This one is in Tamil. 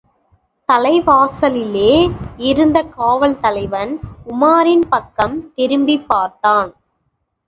தலைவாசலிலே இருந்த காவல் தலைவன் உமாரின் பக்கம் திரும்பிப் பார்த்தான்.